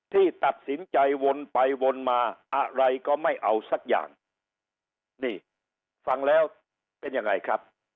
ที่ตัดสินใจวนไปวนมาอะไรก็ไม่เอาสักอย่างนี่ฟังแล้วเป็นยังไงครับ